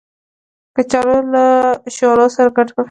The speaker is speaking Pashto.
کچالو له شولو سره ګډ پخېږي